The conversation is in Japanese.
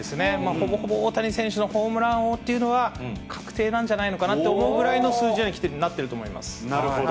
ほぼほぼ大谷選手のホームラン王というのは、確定なんじゃないのかなと思うぐらい、数字にはなっなるほど。